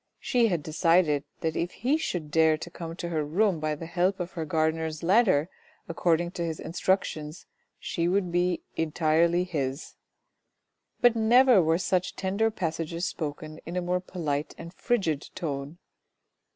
She had decided that if he should dare to come to her room by the help of the gardener's ladder according to his instruc tions, she would be entirely his. But never were such tender passages spoken in a more polite and frigid tone.